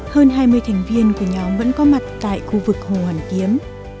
hơn hai mươi thành viên của nhóm vẫn có mặt tại khu vực hồ hoàn kiếm